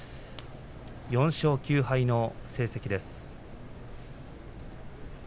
４勝９敗の成績。